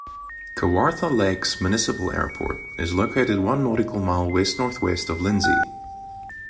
Kawartha Lakes Municipal Airport is located one nautical mile west north west of Lindsay.